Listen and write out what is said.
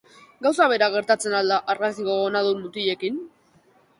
Gauza bera gertatzen al da argazkiko gonadun mutilekin?